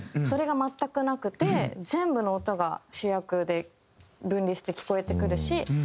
それが全くなくて全部の音が主役で分離して聴こえてくるし。